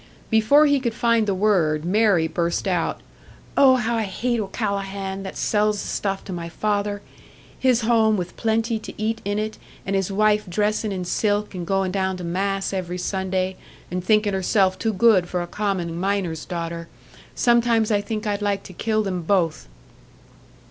Before he could find the word, Mary burst out, "Oh, how I hate O'Callahan, that sells the stuff to my father! His home with plenty to eat in it, and his wife dressin' in silk and goin' down to mass every Sunday, and thinkin' herself too good for a common miner's daughter! Sometimes I think I'd like to kill them both."